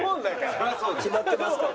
決まってますから。